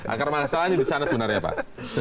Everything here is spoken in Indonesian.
akar masalahnya disana sebenarnya pak